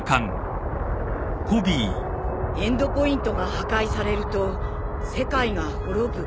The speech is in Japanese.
エンドポイントが破壊されると世界が滅ぶ。